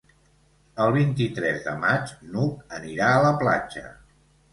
El vint-i-tres de maig n'Hug anirà a la platja.